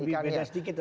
tapi lebih beda sedikit